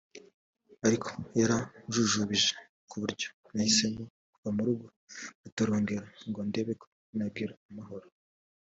ariko yaranjujubije ku buryo nahisemo kuva mu rugo ngatorongera ngo ndebe ko nagira amahoro